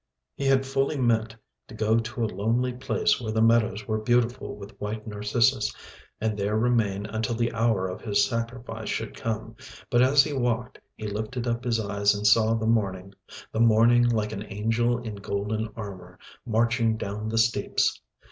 He had fully meant to go to a lonely place where the meadows were beautiful with white narcissus, and there remain until the hour of his sacrifice should come, but as he walked he lifted up his eyes and saw the morning, the morning like an angel in golden armour, marching down the steeps